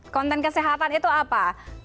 konten kesehatan itu apa